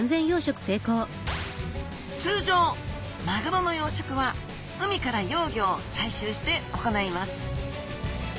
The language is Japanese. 通常マグロの養殖は海から幼魚を採集して行います